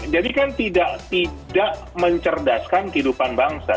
jadi kan tidak mencerdaskan kehidupan bangsa